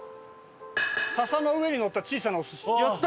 「笹の上にのった小さなお寿司」やった！